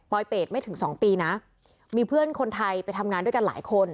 เปรตไม่ถึงสองปีนะมีเพื่อนคนไทยไปทำงานด้วยกันหลายคน